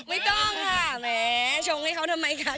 ไม่ต้องค่ะแหมชงให้เขาทำไมคะ